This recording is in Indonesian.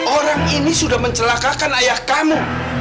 orang ini sudah mencelakakan ayah kamu